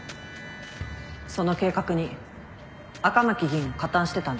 その計画に赤巻議員も加担してたんですね。